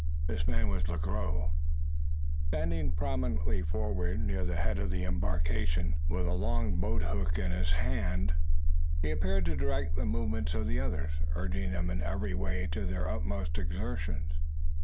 This man was Le Gros. Standing prominently forward, near the head of the embarkation, with a long boat hook in his hand, he appeared to direct the movements of the others, urging them in every way to their utmost exertions.